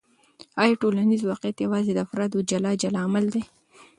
آیا ټولنیز واقعیت یوازې د افرادو جلا جلا عمل دی؟